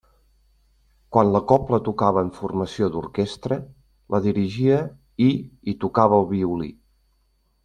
Quan la cobla tocava en formació d'orquestra, la dirigia i hi tocava el violí.